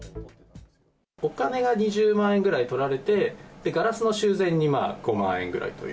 お金が２０万円ぐらいとられて、ガラスの修繕にまあ、５万円ぐらいという。